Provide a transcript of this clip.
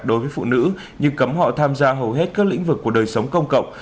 đối với phụ nữ như cấm họ tham gia hầu hết các lĩnh vực của đời sống công cộng